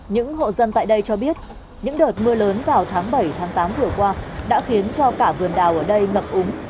những hộ dân tại đây cho biết những đợt mưa lớn vào tháng bảy tám vừa qua đã khiến cho cả vườn đào ở đây ngập úng